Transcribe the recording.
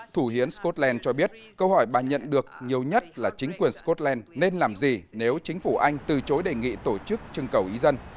thủ hiến scotland cho biết câu hỏi bà nhận được nhiều nhất là chính quyền scotland nên làm gì nếu chính phủ anh từ chối đề nghị tổ chức trưng cầu ý dân